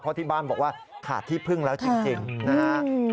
เพราะที่บ้านบอกว่าขาดที่พึ่งแล้วจริงนะฮะ